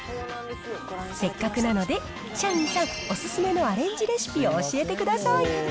せっかくなので、社員さん、お勧めのアレンジレシピを教えてください。